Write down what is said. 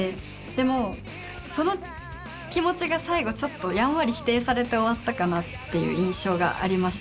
でもその気持ちが最後ちょっとやんわり否定されて終わったかなっていう印象がありました。